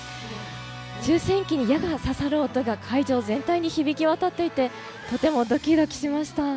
抽せん機に矢がささる音が会場全体に響き渡っていてとてもドキドキしました。